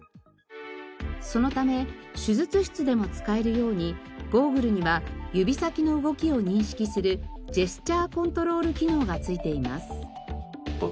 そのため手術室でも使えるようにゴーグルには指先の動きを認識するジェスチャーコントロール機能が付いています。